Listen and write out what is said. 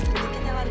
terima kasih ya bang